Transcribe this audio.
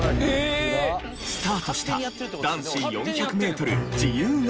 スタートした男子４００メートル自由形決勝。